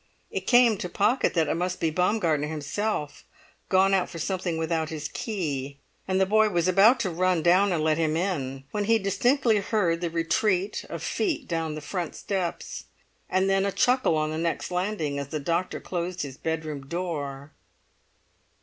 It came to Pocket that it must be Baumgartner himself, gone out for something without his key; and the boy was about to run down and let him in, when he distinctly heard the retreat of feet down the front steps, and then a chuckle on the next landing as the doctor closed his bedroom door.